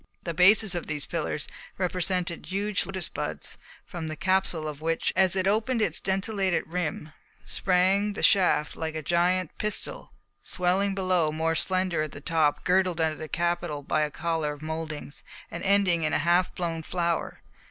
The bases of these pillars represented huge lotus buds, from the capsule of which, as it opened its dentelated rim, sprang the shaft like a giant pistil, swelling below, more slender at the top, girdled under the capital by a collar of mouldings, and ending in a half blown flower.